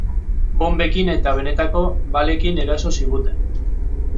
Bonbekin eta benetako balekin eraso ziguten.